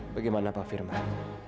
bagaimana pak firman